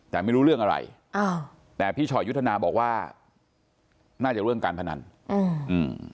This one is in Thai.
แต่ไม่รู้เรื่องอะไรอ้าวแต่พี่ฉอยยุทธนาบอกว่าน่าจะเรื่องการพนันอืมอืม